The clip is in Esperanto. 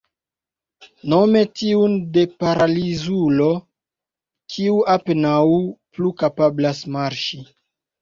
Nome tiun de paralizulo, kiu apenaŭ plu kapablas marŝi.